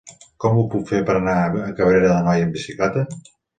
Com ho puc fer per anar a Cabrera d'Anoia amb bicicleta?